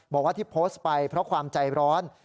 บอกว่าที่โพสต์ไปเพราะความใจร้อน